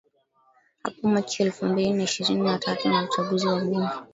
hapo Machi elfu mbili na ishirin na tatu na uchaguzi wa bunge